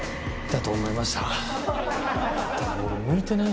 だと思いました。